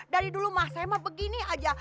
dari dulu mah saya mah begini aja